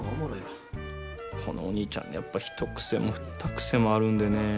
このお兄ちゃんねやっぱ一癖も二癖もあるんでね。